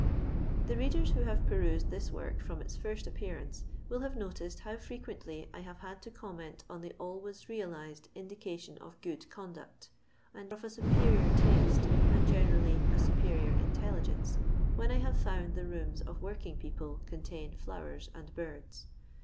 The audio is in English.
The readers who have perused this work from its first appearance will have noticed how fre quently I have had to comment on the always realized indication of good conduct, and of a superior taste and generally a superior intelli gence, when I have found the rooms of working people contain flowers and birds.